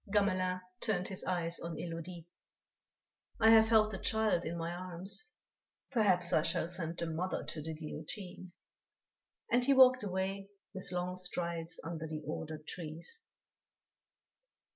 Gamelin turned his eyes on Élodie: "I have held the child in my arms; perhaps I shall send the mother to the guillotine," and he walked away with long strides under the ordered trees.